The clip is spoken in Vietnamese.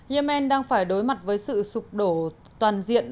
yemen đang phải đối mặt với sự sụp đổ toàn diện